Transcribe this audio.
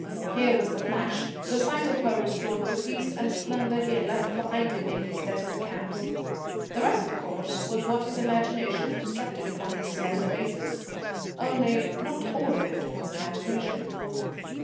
Here was the flash. The sight of her restored the peace and splendour he had left behind him in his Desert camps. The rest, of course, was what his imagination constructed upon this slender basis. Only, not all of it was imagination.